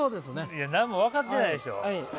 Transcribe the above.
いや何も分かってないでしょ。